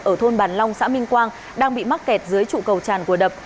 ở thôn bàn long xã minh quang đang bị mắc kẹt dưới trụ cầu tràn của đập